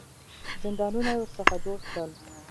زندانونه یې ورڅخه جوړ کړل.